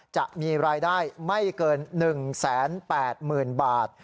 จะมีรายได้ไม่เกิน๑๘๐๐๐บาท